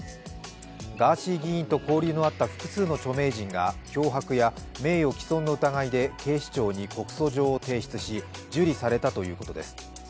ガーシー議員と交流のあった複数の著名人が脅迫や名誉毀損の疑いで警視庁に告訴状を提出し受理されたということです。